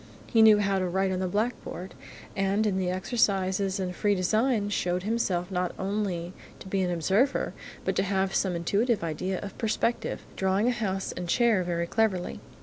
He knew how to write on the blackboard, and in the exercises in free design he showed himself not only to be an observer, but to have some intuitive idea of perspective, drawing a house and chair very cleverly.